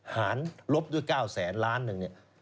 หารลบด้วย๙๐๐๐๐๐ล้านหนึ่งนี่